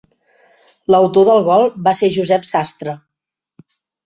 L'autor del gol va ser Josep Sastre.